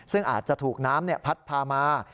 ซึ่งอาจจะถูกน้ำพัดพามา